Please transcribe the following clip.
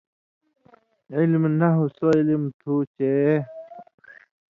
علم نحو سو علم تُھو چے